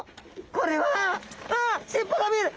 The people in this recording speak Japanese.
これはわっ尻尾が見える！